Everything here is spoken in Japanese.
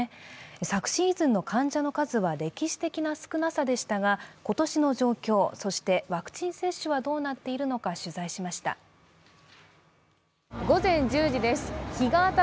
昨シーズンの患者の数は歴史的な少なさでしたが、今年の状況、そしてワクチン接種はどうなっているのか取材しました。